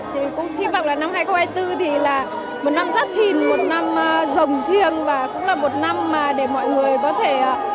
thì cũng hy vọng là năm hai nghìn hai mươi bốn thì là một năm giáp thìn một năm rồng thiêng và cũng là một năm mà để mọi người có thể